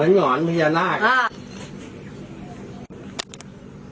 อาวุธแห่งแล้วพอเดินได้ผมว่าเจอบัตรภรรยากุศิษภัณฑ์